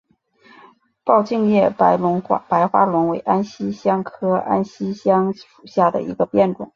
抱茎叶白花龙为安息香科安息香属下的一个变种。